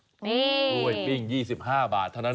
นี่กล้วยปิ้ง๒๕บาทเท่านั้นเอง